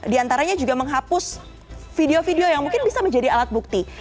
di antaranya juga menghapus video video yang mungkin bisa menjadi alat bukti